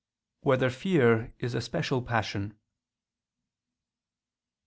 2] Whether Fear Is a Special Passion?